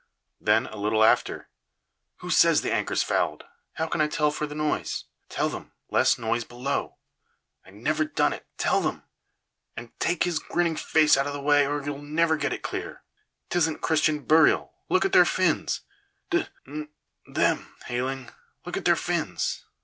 Then, a little after: "Who says the anchor's fouled? How can I tell for the noise? Tell them, less noise below. I never done it, tell them! And take his grinning face out of the way, or you'll never get it clear! 'Tisn't Christian burial look at their fins! D n them, Hayling, look at their fins!